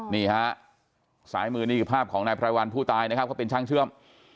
นี่ฮะสายมือนี่คือภาพของนายไพรวัลผู้ตายนะครับเขาเป็นช่างเชื่อม